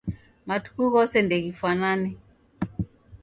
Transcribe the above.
Matuku ghose ndeghifwanane.